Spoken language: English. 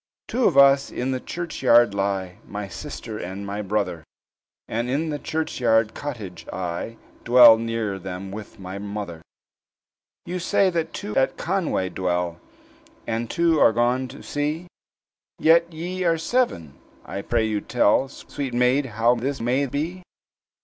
"Two of us in the churchyard lie, My sister and my brother; And, in the churchyard cottage, I Dwell near them with my mother." "You say that two at Conway dwell, And two are gone to sea, Yet ye are seven? I pray you tell, Sweet maid, how this may be?"